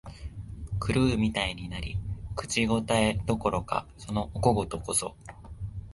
狂うみたいになり、口応えどころか、そのお小言こそ、